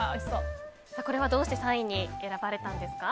これはどうして３位に選ばれたんですか？